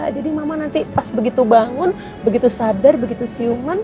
jadi mama nanti pas begitu bangun begitu sadar begitu siungan